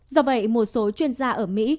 do vậy một số chuyên gia ở mỹ